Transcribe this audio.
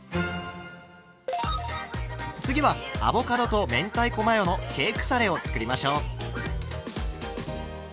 次はアボカドと明太子マヨのケークサレを作りましょう。